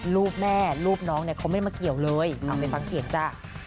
ลูกแม่ลูกน้องเขาไม่ได้มาเกี่ยวเลยเอาเป็นฟังเสียงจ้ะ